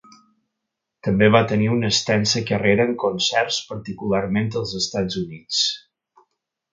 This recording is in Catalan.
També va tenir una extensa carrera en concerts, particularment als Estats Units.